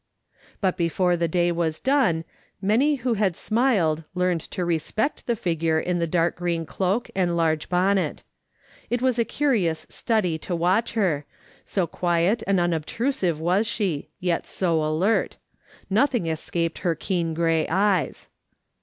But before the day was done, many who had smiled learned to respect the figure in the dark green cloak and large bonnet. It was a curious study to watch her, so quiet and unobtrusive was she, yet so alert; nothing escaped her keen grey eyes.